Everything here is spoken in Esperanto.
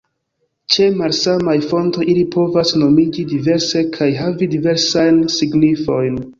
Ĉe malsamaj fontoj ili povas nomiĝi diverse kaj havi diversajn signifojn.